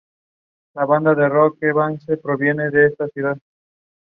The film is directed by Kunal Kohli.